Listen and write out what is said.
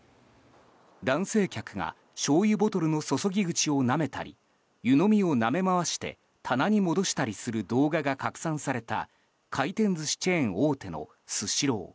男性客がしょうゆボトルの注ぎ口をなめたり湯飲みをなめ回して棚に戻したりする動画が拡散された回転寿司チェーン大手のスシロー。